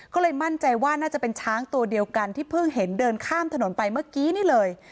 ก็เลยมั่นใจว่าน่าจะเป็นช้างตัวเดียวกันที่เพิ่งเห็นเดินข้ามถนนไปเมื่อกี้นี่เลย